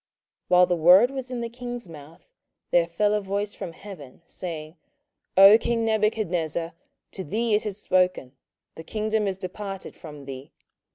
27:004:031 While the word was in the king's mouth, there fell a voice from heaven, saying, O king Nebuchadnezzar, to thee it is spoken; The kingdom is departed from thee.